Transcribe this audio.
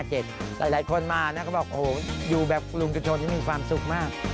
หลายคนมาก็บอกโอ้โฮอยู่แบบลุงสุชนมีความสุขมาก